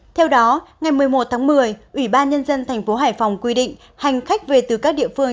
theo đó ngày một mươi một tháng một mươi ủy ban nhân dân thành phố hải phòng quy định hành khách về từ các địa phương